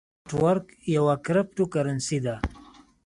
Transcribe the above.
پای نیټورک یوه کریپټو کرنسۍ ده